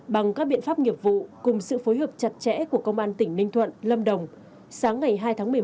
bằng các biện pháp nghiệp vụ cùng sự phối hợp chặt chẽ của công an tỉnh ninh thuận lâm đồng sáng ngày hai tháng một mươi một